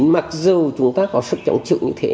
mặc dù chúng ta có sức trọng trực như thế